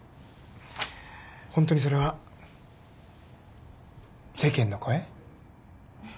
ホントにそれは世間の声？